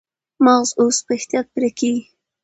مغز اوس په احتیاط پرې کېږي.